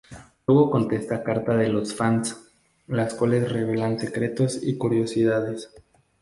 Luego contesta cartas de los fans, las cuales revelan secretos y curiosidades.